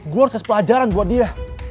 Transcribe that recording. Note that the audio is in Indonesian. gue harus kasih pelajaran buat dia